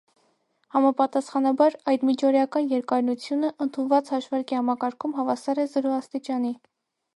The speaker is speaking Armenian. Համապատասխանաբար, այդ միջօրեական երկայնությունը ընդունված հաշվարկի համակարգում հավասար է զրո աստիճանի։